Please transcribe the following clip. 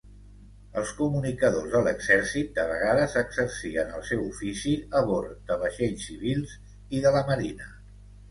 Els comunicadors de l'exèrcit de vegades exercien el seu ofici a bord de vaixells civils i de la Marina.